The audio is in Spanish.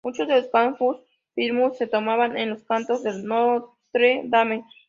Muchos de los "cantus firmus" se toman de los cantos de Notre Dame.